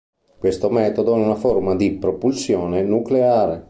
Questo metodo è una forma di propulsione nucleare.